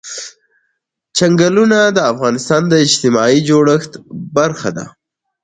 چنګلونه د افغانستان د اجتماعي جوړښت برخه ده.